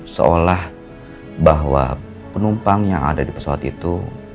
seolah bahwa penumpang yang ada di pesawat itu